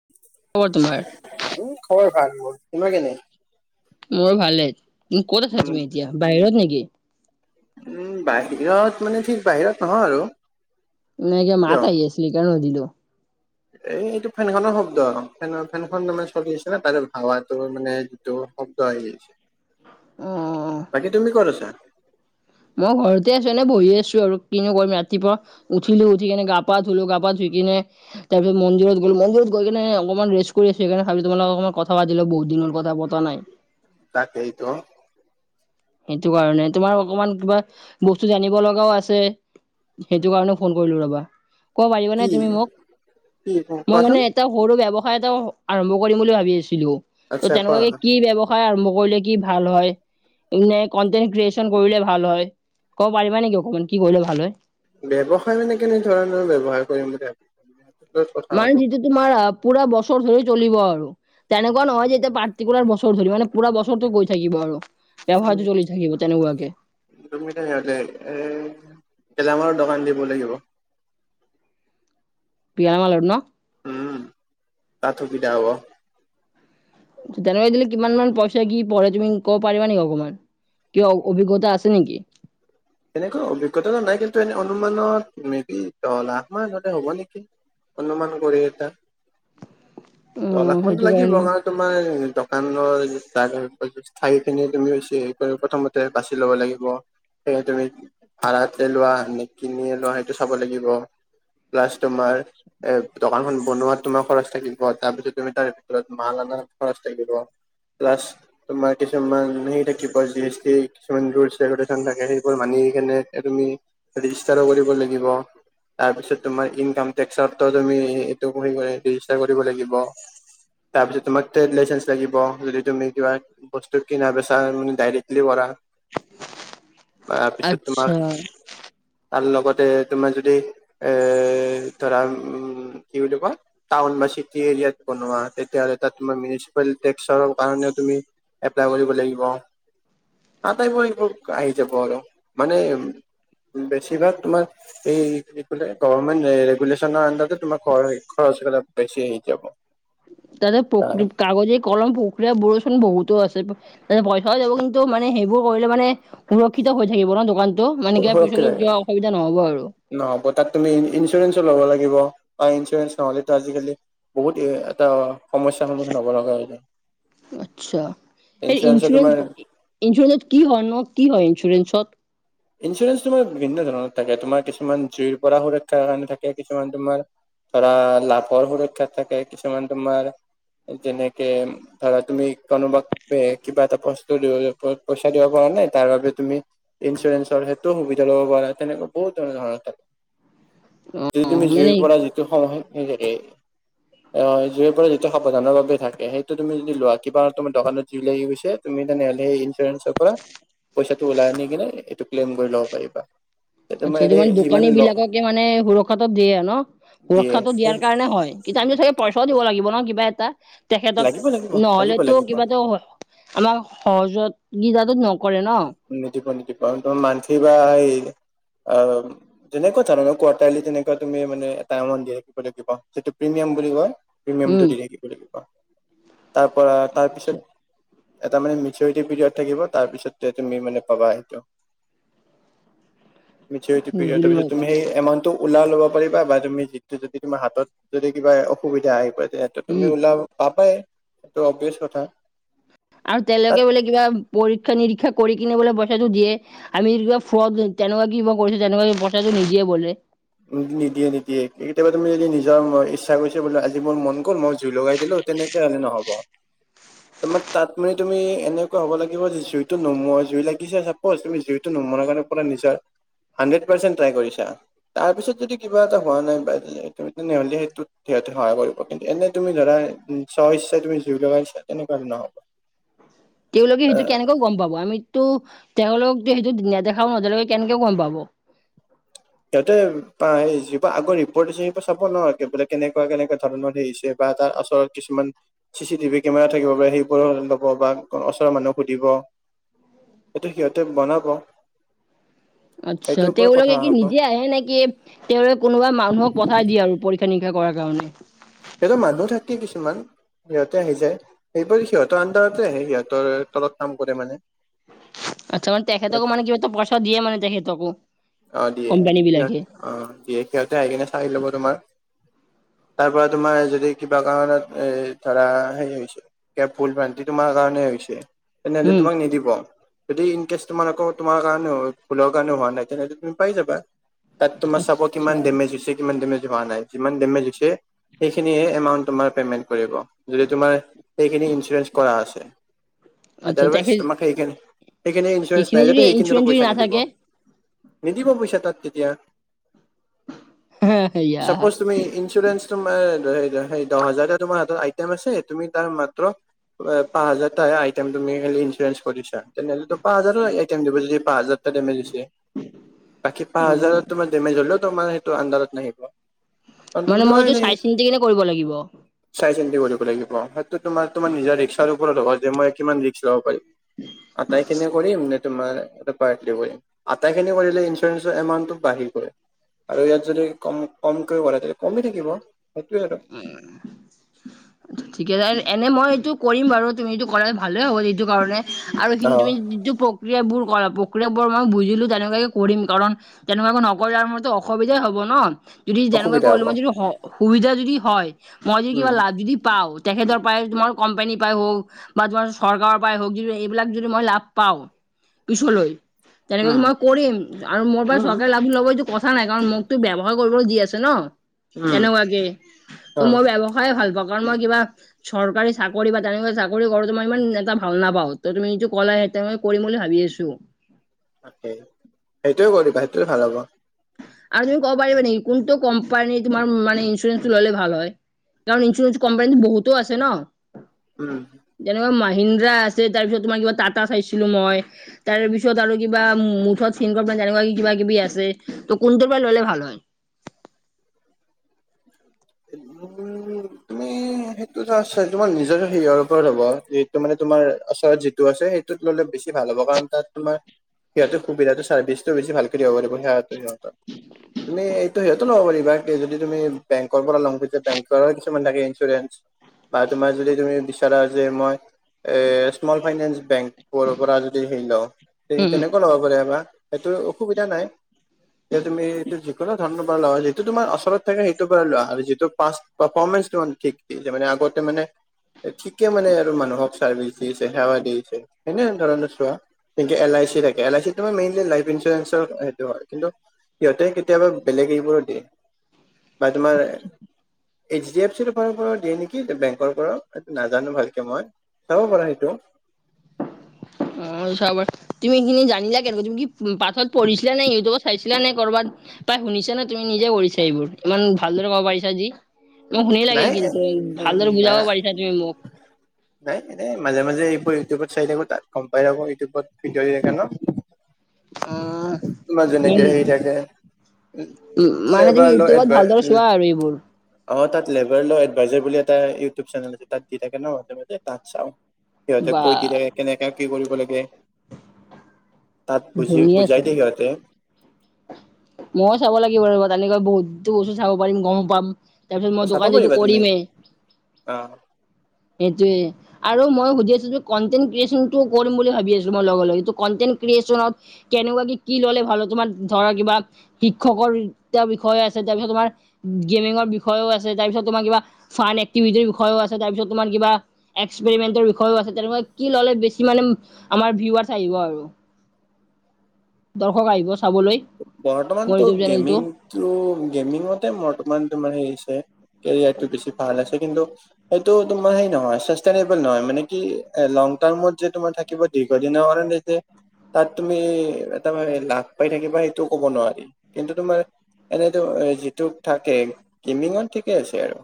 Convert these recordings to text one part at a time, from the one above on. [inaudible] কি খবৰ তোমাৰ? উম, খবৰ ভাল মোৰ। তোমাক কেনে? মোৰ ভালেই। তুমি ক'ত আছা উম, তুমি এতিয়া বাহিৰত নেকি? উম, বাহিৰত মানে ঠিক বাহিৰত নহয় আৰু। নহয় কিবা কিয়? মাত আহি আছিলে সেইকাৰণে সুধিলো। এই এইটো ফেনখনৰ শব্দ আৰু ফেনৰ ফেনখন তাৰমানে চলি আছে ন' তাৰেহাৱাটো মানে ত ' শব্দ আহি আছে। অ বাকী তুমি ক'ত? মই ঘৰতে আছো। এনে বহি আছো আৰু কিনো কৰিম ৰাতিপুৱা উঠিলোঁ, উঠি কিনে গা -পা ধুলো, গা-পা ধুই কিনে তাৰপিছত মন্দিৰত গ'লো, মন্দিৰত গৈকিনে অকণমান ৰেষ্ট কৰি আছোঁ। সেইকাৰণে ভাৱিলোঁ তোমোৰ লগত অকণমান কথা পাতি লও বহুত দিন হ'ল কথাপতা নাই। তাকেইটো। সেইটো কাৰণে তোমাৰ অকমান কিবা বস্তু জানিব লগাও আছে। সেইটো কাৰণে ফোন কৰিলোঁ ৰ'বা। ক'ব পাৰিবা কি নে তুমি মোক? কি মই কোৱাচোন মানে এটা সৰু ব্যৱসায় এটাও আৰম্ভ কৰিম বুলি ভাবি আছিলো। আচ্ছা ত' কোৱা। তেনেকুৱাকে কি ব্যৱ সায় আৰম্ভ কৰিলে কি ভাল হয় নে কণ্টেক ক্ৰিয়েচন কৰিলে ভাল হয়। ক'ব পাৰিবা নেকি অকমান কি কৰিলে ভাল হয়? ব্যৱসায় মানে কেনেধৰণৰ ব্যৱসায় কৰিম বুলি ভাবিছা তাৰ ওপৰত কথা মানে হ'ব। যিটো তোমাৰ পুৰা বছৰ ধৰিব জ্বলিব আৰু। তেনেকুৱা নহয় যে এতিয়া পাৰ্টিকুলাৰ বছৰ ধৰি মানে পুৰা বছৰটো গৈ থাকিব আৰু। উম ব্যৱসায়টো চলি থাকিব তেনেকুৱাকে। তুমি এতিয়া সেয়াতে গেলামৰ দোকান দিব লাগিব। পিয়ামালত ন'? উম, তাত সুবিধা হ'ব। তেনেকুৱা দিলে কিমান মান পইচা কি পৰে তুমি ক'ব পাৰিবা নেকি অকণমান? কিবা অভিজ্ঞতা আছে নেকি? তেনেকৈ অভিজ্ঞতাটো নাই কিন্তু এনে অনুমানত মেবি দহ লাখ মান তাতে হ'ব নেকি? অনুমান কৰি এটা অ দহলাখ মানটো সেইটো লাগি কাৰণে অমাক। তোমাৰ দোকানৰ যি বাজেট আহিপিনি তুমি চিৰিয়েল কৰি প্ৰথমতে বাছি ল'ব লাগিব। এতিয়া তুমি ভাড়াতে লোৱা নে কিনিয়ে লোৱা সেইটো চাব লাগিব। প্লাছ তোমাৰ এ দোকানখন বনোৱাত তোমাৰ খৰচ থাকিব। তাত যদি তুমি তাৰ ভিতৰত মাল অনাৰ খৰচ থাকিব। প্লাছ তোমাৰ কিছুমান হেৰি থাকিব জি এছ টি কিছুমান ৰুলচ ৰেগুলেশ্যন থাকে সেই বোৰ মানি কেনে এতিয়া তুমি ৰেজিষ্টাৰো কৰিব লাগিব। তাৰপিছত তোমাৰ ইনকাম টেক্সত ত ' তুমি এইটো কৰিব লাগিব ৰেজিষ্টাৰ কৰিব লাগিব। তাৰপিছত তোমাক ট্ৰেড লাইচেন্ঞ্চ লাগিব যদি তুমি কিবা বস্তু কিনা -বেচা আৰু ডাইৰেক্টলি কৰা তাৰপিছত তোমাক আচ্ছা তাৰ লগতে তোমাৰ যদি এ ধৰা উম--কি বুলি কয়? টাউন বা চিটি এৰিয়াত বনোৱা তেতিয়া হ'লে তাত তোমাৰ মিঞ্চিপালটি টেক্সৰ কাৰণে তুমি এপ্লাই কৰিব লাগিব। আটাইবোৰ এইবোৰ আহি যাব আৰু মানে বেছিভাগ তোমাৰ এই কি বুলি কয় যে গৰমেণ্ট ৰেগুলেশ্যনৰ আণ্ডাতে তোমাৰ খ হেৰি খৰচ বিলাক বেছি আহি যাব। তাতে পক্ তাৰ কাগজে কলম প্ৰক্ৰিয়া বোৰচোন বহুতো আছে। যেনে পইচাও যাব কিন্তু মানে সেইবোৰ কৰিলে মানে সুৰক্ষিত হৈ থাকিব ন' দোকান ত' মানে কিবা সুৰক্ষিত পিছলৈও কিবা অসুবিধা নহ'ব আৰু নহ'ব তাত তুমি ইঞ্চুৰেঞ্চো ল'ব লাগিব বা ইঞ্চুৰেঞ্চ নহ'লেতো আজিকালি। বহুত এ এটা সমস্যাৰ সন্মুখীন হ'ব লগা হয় আচ্ছা এই ইঞ্চুৰেঞ্চৰ ইঞ্চুৰেঞ্চ তোমাৰ- ইঞ্চুৰেঞ্চত কি হয় নো কি হয় ইঞ্চুৰেঞ্চত- ইঞ্চুৰেঞ্চ তোমাৰ বিভিন্ন ধৰণৰ থাকে। তোমাৰ কিছুমান জুইৰ পৰা সুৰক্ষাৰ কাৰণে থাকে কিছুমান তোমাৰ ধৰা লাভৰ সুৰক্ষা থাকে কিছুমান তোমাৰ যেনেকে ধৰা তুমি কোনোবাক এ কিবা এটা বস্তু দিবলে পইচা দিব পৰা নাই তাৰ বাবে তুমি ইঞ্চুৰেঞ্চ- সেইটোও সুবিধা ল'ব পাৰা তেনেকুৱা বহুত ধৰণৰ ধৰণৰ থাকে অ যদি তুমি জুইৰ মানে পৰা। সময়ে সে অ জুইৰ পৰা যেতিয়া সাৱধানৰ বাবে থাকে সেইটো তুমি যদি লোৱা কিবা তোমাৰ দোকানত জুই লাগি গৈছে। তুমি তেনেহ'লে সেই ইঞ্চুৰেঞ্চৰ পৰা পইচাটো ওলাই আনি কিনে এইটো ক্লেইম কৰি ল'ব পাৰিবা। তে আচ্ছা তোমাৰ সেইটো এই মানে যিমান দোকানী ল বিলাককে মানে সুৰক্ষাতটো দিয়ে ন দিয়ে সুৰক্ষাতটো দিয়াৰ কাৰণে হয়। কিজানি জাগে পইচাও দিব লাগিব ন কিবা এটা তেখেতক লাগিব লাগিব লাগিব নহ'লেতো লাগিব কিবা টো। আমাক সহজত সুবিধাটো নকৰে ন। নিদিব নিদিব একদম মানসি বা এই অ- যেনেকুৱা ধৰণৰ কুৱাটিলী তেনেকা তুমি মানে এটা মান দিয়ে যিটো প্ৰিমিয়াম বুলি কয়। উম প্ৰিমিয়ামটো দিলে কি বুলি ক'বা তাৰ পৰা তাৰপিছত- এটা মানে মেচুৰিটি পিৰিয়ড থাকিব তাৰ পিছত- এতিয়া তুমি মানে পাবা সেইটো। মিছৰ্টি পেৰিয়ড বুজিলো তাৰ পিছত ৰবা তুমি এমাউট - টো ওলাই ল'ব পাৰিবা বা তুমি যিটো যদি তোমাৰ হাতত যদি কিবা অসুবিধা আহি পৰে। উম তুমি ওলাব পাপাই সটো অভিয়াচ কথা। আৰু তাত তেওঁলোকে বোলে কিবা পৰীক্ষা নিৰীক্ষা কৰি কিনে বোলে পইচাটো দিয়ে। আমি কিবা ফ্ৰদ তেনেকুৱা কিবা কৰিছো তেনেকুৱা পইচাটো নিজে বোলে। উ নিদিয়ে নিদিয়ে কেতিয়াবা তুমি যদি নিজৰ ইচ্ছা কৰিছা বোলে আজি মোৰ মন গ'ল মই জুই লগাই দিলো তেনেকে- কেলে নহব। তোমাৰ তাত মানে তুমি এনেকুৱা হ'ব লাগিব যে জুইটো নমোৱা জুই লাগিছে চাব তুমি জুইত জুইটো নুমোৱাৰ কাৰণে পুৰা নিজা হাড্ৰেড পাৰ ট্ৰাই কৰিছা। তাৰপিছত যদি কিবা এটা হোৱা নাই বাুমি তেনেহ'লে সেইটোত সিহঁতে সহায় কৰিব কিন্তু এনে তুমি ধৰা। চ ইচ্ছে তুমি জুই লগাচছ তেনেকুৱা ধ নহ'ব। তেওঁলোকে সেইটো কেনেকৈ গম পাব আমিতো তেওঁলোকতো সেইটো নেদেখাও নদলেে কেনেকে গম পাব। সিহঁতে আ ই আগৰ ৰিপৰ্ট আ স চাব নবোলে কেনেকুৱা কেনেকুৱা ধৰণৰ আহিছে বা তাৰ ওচৰত কিছুমান চি চি টিভি কেমেৰা থাকিব পাৰে। সেইবোৰ লব বা ওচৰৰ মানুহক সুধিব- এইটো সিহঁতে বনাব আচ্ছা সেইটোৰ ওপৰত কথা তেওঁলোকে কি হ'ব নিজে আহে নেকি তেওঁোক কোনোবা মানুহক পঠাই দিয়ে আৰু পৰীক্ষা নিৰীক্ষা কৰাৰ কাৰণে সেইটো মানুহ থাকি কিছুমান। সিহঁতে আহি যায় সেইব সিহঁতৰ আডাৰতে আহে সিহঁতৰ তলত কাম কৰে মানে। আচ্ছা মানে তেখেতকো মান কিবা এটা পইচা দিয়ে মানে তেখেতকো অ দিয়ে কোম্পানী সিহত বিলাকে অ দিয়ে সিহঁতে আহি কিনে চাই লব তোমাৰ- তাৰ পৰা তোমাৰ যদি কিবা কাৰণত এ ধৰা হেৰি হৈছে। ফুল ভ্ৰান্তি তোমাৰ কাৰণে হৈছে। তেনেহলে উম তোমাক নিদিব যদি ইন কেচ তোমাৰ আকৌ তোমাৰ কাৰণে ফুলৰ কাৰণে হোৱা নাই তেনেহ'লে পাই যাবা তাত তোমাৰ চাব কিমান আচ্ছা ডেমেজছেজ হৈছে তোমাৰ ডেমেজ হোৱা নাই, কিমান ডেমেজ হৈছে সেইখিনিহে তোমাৰ পেমেন্ট কৰিব। যদি তোমাৰ সেইখিনি ইঞ্চুৰেঞ্চ কৰা আছে আচ্ছা আদৰৱাইজ তেখেত তোমাক সেইিন সেইখিনি ইঞ্চুৰেঞ্চ সেইখিনি নাই যদি য ইঞ্চুৰেঞ্চ সেইখিনো যদি পইচা দিব। নাথাকে নিদিব পইচা তাত তেতিয়া ইয়া চাপোচ তুমি ইনঞ্চোৰেচ তোমাৰ দহ হাজাৰ তোমাৰ হাতত আইটেম আছে তুমি তাৰ মাত্ৰ পা হাজাৰটটা আইটেম তুমিলে ইঞ্চুৰেঞ্চ কৰিছা তেনেহ'লে তো পাঁ হাজাৰৰ আইটেম দিব যদি পাঁচ হাজাৰ ডেমেজ হৈছে বাকী পাঁ‌ অ হাজাৰত তোমাৰ ডেমেজ হলেও তোমাৰ সেইটো আন্দাৰত নাহিব। কাৰণ তুমি মানে মই লোৱাই নাই চাই চিন্ত কেনে কৰিব লাগিব। চাই চিন্ততি কৰিব লাগিব সেইটো তোমাৰ তোমাৰ নিজা ৰিক্সাৰ ওপৰত হ'ব যে মই কিমান ৰিক্স ল'ব পাৰিম। আটাইখিনি কৰিম নে তোমাৰ এটা পাৰ্টিৰ কৰিম। আটাইখিনি কৰিলে ইঞ্চুৰেঞ্চৰ এমাউণ্টটো বাঢ়িব। আৰু ইয়াত যদি কম কমকৈ কৰে তেতিয়া কমি থাকিব সেইটোৱে আৰু। উ। ঠিক আছে এনে মই এইটো কৰিম বাৰু তুমি এইটো কৰালে ভালে হ'ব এইেইটো কাৰণে আৰু সিন্তু অ তুমি যিটো প্ৰক্ৰিয়াবোৰ কৰা প্ৰক্ৰিয়াবোৰ মই বুজিলো তেনেকুৱাকে কৰিম কাৰণ তেনেকুৱাকো নকৰি মতো অসুবিধাই হ'ব ন। যদি তেনেকুৱা অসুবিধা কৰিলো হ'ব মই যদি সুবিধা যদি হয় মই যদি উম কিবা লাভ যদি পাওঁ তেখেতৰ পৰাই তোমাৰ কম্পানী পৰাই হওক বা তোমাৰ চৰকাৰৰ পৰাই হওক যদি এইবিলাক যদি মই লাভ পাওঁ পিছলৈ তেনেকুৱৈ উম মই কৰিম আৰু মোৰ পৰা উম চৰকাৰে লাভ ল'ব এইতটো কথা নাই কাৰণ মোকতো ব্যৱহাৰ কৰিবলৈ দি আছে ন। উম। ত তেনেকুৱাকে অ মই বেয়া পাওঁ খায় ভাল পাওঁ কাৰণ মই কিবা চৰকাৰী চাকৰি বা তেনেকা চাকৰি কৰ তোমাৰ ইমান এটা ভাল নাপাও ত তুমি নিজু কলে তেওঁনে কৰিম বুলি ভাবি আছোঁ। সেইটোয়ে কৰিবা সেইটোয়ে ভাল হ'ব। আৰু তুমি ক'ব পাৰিব নেকি কোনটো কোম্পানী তোমাৰ মানে ইঞ্চুৰেেঞ্চসটো ল'লে ভাল হয়। কাৰণ ইঞ্চুৰেঞ্চ কোপানীত বহতো আছে ন। উম। যেনেকুৱা মাহিন্দ্ৰা আছে তাৰ পিছত তোমাৰ কিবা টাটা চাইছিলোঁ মই। তাৰ পিছত আৰু কিবা মুঠত চিন তেনেকুৱা কিবা কিবি আছে ত' কোনটো পৰা ল'লে ভাল হয়। উ তুমি তোমাৰ নিজৰ হেৰিয়ৰ ওপৰত হ'ব য এইটো মানে তোমাৰ ওচৰত যিটো আছে সেইটো ললে বেছি ভাল হ'ব কাৰণ তাত তোমাৰ সিহঁৰ সুবিধাটো চাৰ্ভিছটো বেছি ভাল কৰি দিব লাগিব সহঁতে সিহঁতৰ তুমি এইটো সিহতটো নব পাৰিবা কি যদি তুমি বেংক [unintelligible] বেংকৰ কিছুমান থাকে ইঞ্চুৰেঞ্চ বা তোমাৰ যদি তুমি বিচাৰা যে মই এ স্মল ফাইনেন্স বেংকৰ পৰা যদি হেই ল তেনেকুৱা ল'ব পৰা‌ বা সেইটো অসুবিধা নাই যে তুমি এইটো যিকোনো ধৰণৰ পৰা লা যিটো তোমাৰ ওচৰত থাকে সেইটো যিটো পাছ প্ৰাৰফমেচন আগতে মানে ঠিকে মানে আৰু মানুহক চাৰ্ভিচ দিছে সেৱা দি আছে সনে ধৰণৰ চোৱা তেনেক এল আই চি থাকে এলই চি তাৰ মেইনলি লাইফ ইঞ্চুৰেঞ্চৰ সেইটো হয় কিন্তু সিহঁতে কেতিয়াবা বেলেগ এইবোৰোত দিয়ে বাই তোমাৰ এইচ ডি এফ চিৰৰ ফালৰ পৰাও দিয়ে নেকি বেংকৰ পৰাও এটো নাজানো ভালকে মই চাব পাৰা সেটো অ চাবা তুমি এখিনি জানিলা কেনেকে তুমি কি পাঠত পঢ়িছিলা নে ইউটিউবত চাইছিলা নে কৰ'বাত পাই শুনিছা নে তুমি নিজে কৰিছা এইবোৰ ইমান ভালদৰে কব পাৰিছা আজি মোক শুনি লাগিল নাই কিন্তু ভালদৰে বুজাব নাই পাৰিছা তুমি মোক নাই এনে মাজে মাজে এইবোৰ ইউটিউবত চাই থাকো তাত গম পাই থাকো ইউটিউবত ভিডিঅ দি থাকে ন অ তোমাৰ যেনেকে উম সেই থাকে উম মানে তুমি লেবাৰ ল ইউটিউবত ভালদৰে এদভাইট চোৱা আৰু এইবোৰ অ তাত লেবাৰ ল এডভাইজাৰ বুলি এটা ইউটিউব চেনেল আছে তাত দি থাকে ন মাজে মাজে তাত চাওঁ সিহঁতে বা কৈ দিলে কেনেকা কি কৰিব লাগে তাত বুজি ধুনীয়া বুজাই চোন দিয়ে সিহঁতে ময়ো চাব লাগিব ৰ তেনেকৈ বহুতো বস্তু চাব পাৰিম গম পাম তাৰপিছত মই অ চাব দোকান যিহেতু পাৰিবা তুমি কৰিমেই অ সেইটোৱে আৰু মই সুধি আছো কনটেন্ট ক্ৰিয়েচনটো কৰিম বুলি ভাবি আছো মই লগে লগে এটো কটেন্ট ক্ৰিয়েচনত কেনেকুৱা কি কি ল'লে ভাল তোমাৰ ধৰা কিবা শিক্ষকৰ এতিয়া বিষয়ে আছে তাৰপিছত তোমাৰ গেমিঙৰ বিষয়েও আছে তাৰপিছত তোমাৰ কিবা ফান এক্টিভিটি বিষয়ো আছে তাৰপিছত তোমাৰ কিবা এক্সপেৰিমেণ্টেল বিষয়েও আছে তেনেকা কি ললে বেছি মানে আমাৰ ভিৱাছ আহিব আৰু [inaudible] দৰ্শক আহিব চাবলৈ মোৰ বৰ্তমানতো ইউটিউব চেনেলটো গেমিং তো গেমিং মতে মান তোমাৰ হেৰি আছে কেৰিয়াৰটো বেছি ভাল আছে কিন্তু সেইটো তোমাৰ সেই নহয় চেষ্টানেবোল নহয় মানে কি লং টাইমত যে তোমাৰ থাক থাকিব দীৰ্ঘদিনৰ কাৰণে এই যে তাত তুমি এটা লাভ পাই থাকিবা সেই টো ক'ব নোৱাৰি কিন্তু তোমাৰ এনেইতো যিটো থাকে গেমিংত ঠিকে আছে আৰু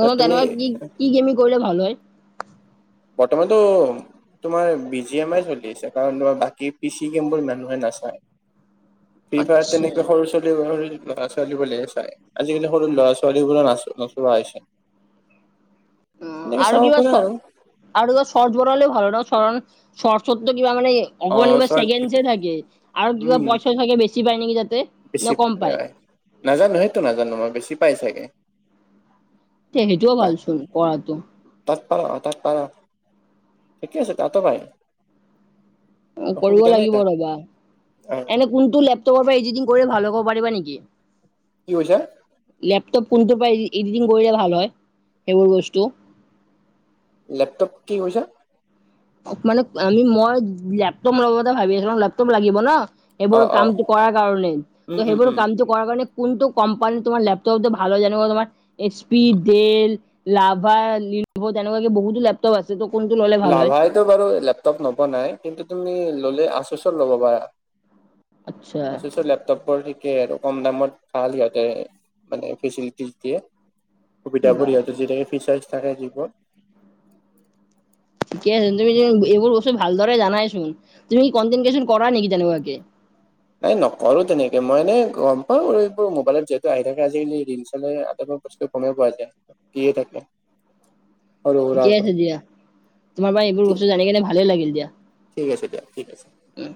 তাত তুমি তেনেকুৱা কি গেমিং কৰিলে ভাল হয় বৰ্তমানতো তোমাৰ বি জি এম আই চলি আছে কাৰণ তোমাৰ বাকী পিচি গেমবোৰ মানুহে নাচায় ফ্ৰী ফায়াৰ আচ্ছা তেনেকে সৰু ছোৱালীৰ ল'ৰা ছোৱালীবোৰ চাই, আজিকালি সৰু ল'ৰা ছোৱালীবোৰে নাচায় নোচোৱা হৈছে উম এনেকে আৰু চাব কিবা পাৰে চ আৰু সৰ্ত বলেও ভাল ন সৰণ সৰসত্ব কিবা মান অ অকমান কিবা চৰ্ট চেকেণ্ডহে থাকে আৰু কিবা উম পইচা থাকে বেছি পায় নেকি যাতে বেছি নাজানো সেইটো নাজানো মই বেছি পাই চাগে তে সেইটো ভালচোন কৰাটো তাত পাৰা তাত পাৰা ঠিকে আছে তাতো পাই কৰিব অসুবিধা নাই লাগিব তাত ৰ'বা অ এনে কোনটো লেপটপৰ পৰা ইডিটিং কৰিলে ভাল হ'ব পাৰিবা নেকি কি কৈছা লেপটপ কোনটোৰ পৰা ইডিটিং কৰিলে ভাল হয় সেইবোৰ বস্তু লেপটপ কি কৈছা মানে আমি মই লেপটপ লব কথা ভাবি আছিলো লেপটপ লাগিব ন এইবোৰ অ অ কামটো কৰাৰ কাৰণে উম ত' উম সেইবোৰ উম কামটো কোৱাৰ কাৰণে কোনটো কম্পানী তোমাৰ লেপটপটো ভাল হয় জানিব তোমাৰ এচ পি ডেল লাভা লিভ তেনেকুৱাকে বহুতো লেপ টপ আছে কোনটো ল'লে ভাল হয়? সেইটো বাৰু লেপটপ নোপোৱা নাই কিন্তু তুমি ললে আছুচৰ ল'ব পাৰা। আচ্ছা আছুচৰ লেপ টপ থিকেই আৰু কম দামত ভাল সিহঁতে মানে ফেচেলেটিচ দিয়ে। বা সুবিধাবোৰ সিহঁত দি থাকে ফিচাৰ্চ থাকে যিবোৰত কি আছে তুমি এইবোৰ বস্তু ভালদৰে জনাইছোন তুমি কন্টেনক্ৰিয়েচন কৰা নেকি তেনেকুৱাকে? নাই নকৰো তেনেকে মই এনে গম পাওঁ এইবোৰ মোবাইলত যিহেতু আহি থাকে আজিকালি ৰিলচ চালে আতায় বস্তু গমেই পোৱা যায়, দিয়ে থাকে। সৰু সুৰা ঠিকে আছে দিয়া তোমাৰ পৰা এইবোৰ ঠিক বস্তু জানি কেনে ভালেই লাগিল দিয়া। ঠিক আছে দিয়া ঠিক আছে। উম।